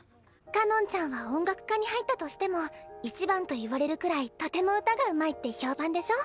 かのんちゃんは音楽科に入ったとしても一番と言われるくらいとても歌がうまいって評判でしょ？